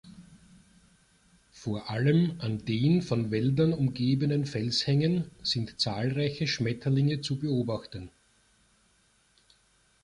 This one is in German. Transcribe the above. Vor allem an den von Wäldern umgebenen Felshängen sind zahlreiche Schmetterlinge zu beobachten.